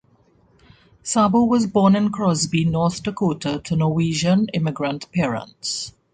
Sabo was born in Crosby, North Dakota, to Norwegian immigrant parents.